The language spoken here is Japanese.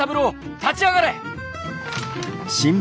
立ち上がれ！」。